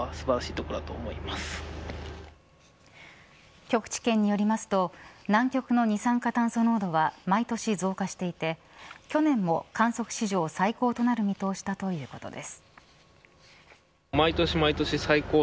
極地研によりますと南極の二酸化炭素濃度は毎年増加していて、去年も観測史上最高となる見通しだということです。